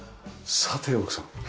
さて奥さん。